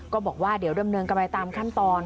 บอกว่าเดี๋ยวดำเนินกันไปตามขั้นตอน